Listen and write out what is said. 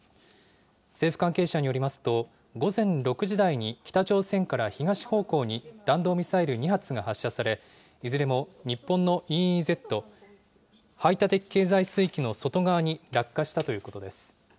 政府関係者によりますと、午前６時台に北朝鮮から東方向に弾道ミサイル２発が発射され、いずれも日本のＥＥＺ・排他的経済水域の外側に落下したということです。